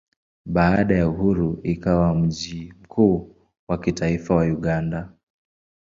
Baada ya uhuru ikawa mji mkuu wa kitaifa wa Uganda.